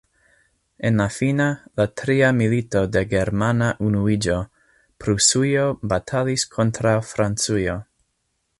En la fina, la tria milito de germana unuiĝo, Prusujo batalis kontraŭ Francujo.